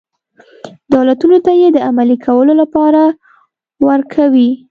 دولتونو ته یې د عملي کولو لپاره ورک وي.